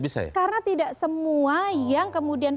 karena tidak semua yang kemudian